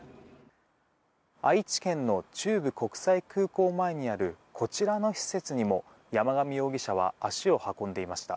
愛知県の中部国際空港前にあるこちらの施設にも、山上容疑者は足を運んでいました。